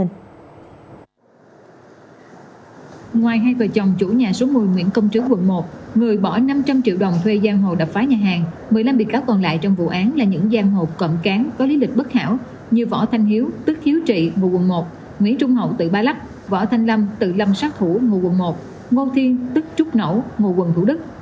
ngoài hai vợ chồng chủ nhà số một mươi nguyễn công trứ quận một người bỏ năm trăm linh triệu đồng thuê giang hồ đập phá nhà hàng một mươi năm bị cáo còn lại trong vụ án là những giang hồ cộng cán có lý lịch bất hảo như võ thanh hiếu tức hiếu trị nguồn quận một nguyễn trung hậu tự ba lắc võ thanh lâm tự lâm sát thủ nguồn quận một ngô thiên tức trúc nổ nguồn quận thủ đức